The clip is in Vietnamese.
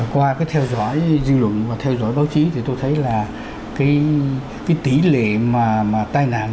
qua cái theo dõi dư luận và theo dõi báo chí thì tôi thấy là cái tỷ lệ mà tai nạn